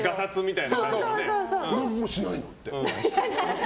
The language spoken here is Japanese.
何もしないって。